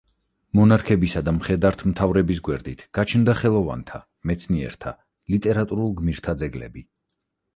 მონარქებისა და მხედართმთავრების გვერდით გაჩნდა ხელოვანთა, მეცნიერთა, ლიტერატურულ გმირთა ძეგლები.